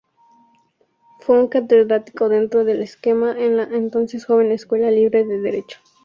Fue un catedrático dentro del esquema de la entonces joven Escuela Libre de Derecho.